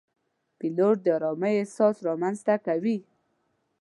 پیلوټ د آرامۍ احساس رامنځته کوي.